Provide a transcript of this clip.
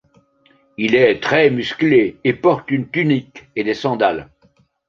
Il est très musclé et porte une tunique et des sandales.